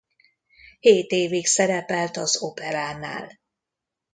Hét évig szerepelt az Operánál.